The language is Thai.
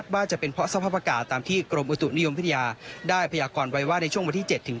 ว่าจะเป็นเพราะสภาพอากาศตามที่กรมอุตุนิยมวิทยาได้พยากรไว้ว่าในช่วงวันที่๗